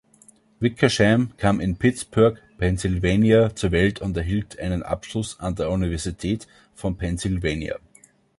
Wickersham kam in Pittsburgh, Pennsylvania, zur Welt und erhielt einen Abschluss an der Universität von Pennsylvania.